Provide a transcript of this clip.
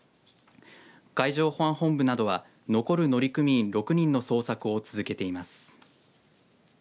海上保安本部などは残る乗組員６人の捜索を続けています。